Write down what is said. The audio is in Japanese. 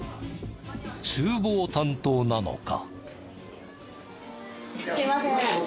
厨房担当なのか？